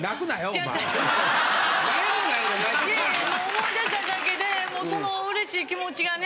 思い出しただけでその嬉しい気持ちがね